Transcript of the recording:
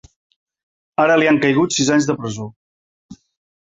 Ara li han caigut sis anys de presó.